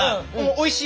おいしい。